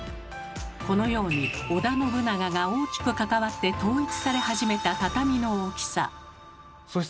このように織田信長が大きく関わって統一され始めた畳の大きさ。